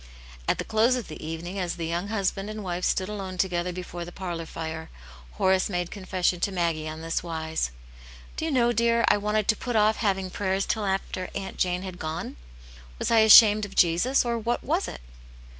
At the close of the evening, as the young husband and wife stood alone together before the parlour fire, Horace made confession to Maggie on thiswise: " Do you know, dear, I wanted to put off having prayers till after Aunt Jane had gone ? Was I ashamed of Jesus, or what was it